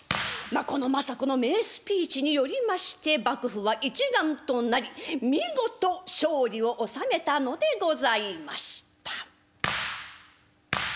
まあこの政子の名スピーチによりまして幕府は一丸となり見事勝利を収めたのでございました。